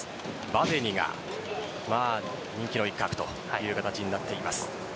ヴァデニが人気の一角という形になっています。